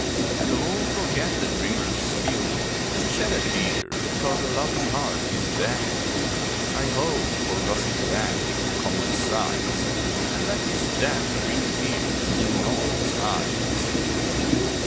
And who'll forget the dreamer's skill, and shed A tear because a loving heart is dead? Heigh ho for gossip then, and common sighs And let his death bring tears in no one's eyes.